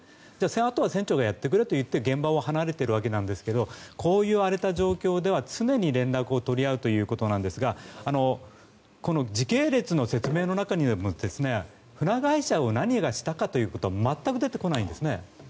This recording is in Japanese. あとは船長がやってくれと言って現場を離れているわけなんですけどこういう荒れた状況では常に連絡を取り合うということなんですが時系列の説明の中でも船会社を何がしたかということは全く出てこないんです。